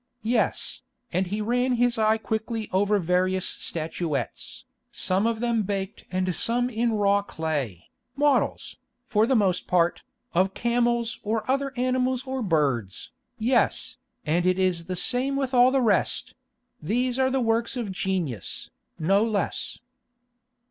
Yes," and he ran his eye quickly over various statuettes, some of them baked and some in the raw clay, models, for the most part, of camels or other animals or birds, "yes, and it is the same with all the rest: these are the works of genius, no less."